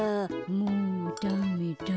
もうダメだ。